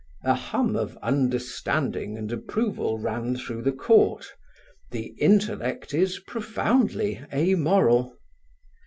A hum of understanding and approval ran through the court; the intellect is profoundly amoral.